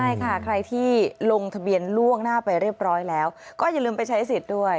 ใช่ค่ะใครที่ลงทะเบียนล่วงหน้าไปเรียบร้อยแล้วก็อย่าลืมไปใช้สิทธิ์ด้วย